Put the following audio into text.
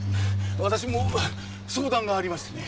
私も相談がありましてね。